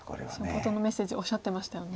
冒頭のメッセージおっしゃってましたよね。